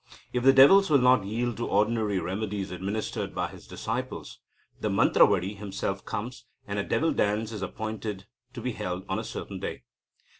If the devils will not yield to ordinary remedies administered by his disciples, the mantravadi himself comes, and a devil dance is appointed to be held on a certain day.